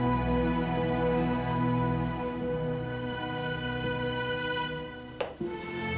kenapa kamu tidur di sini sayang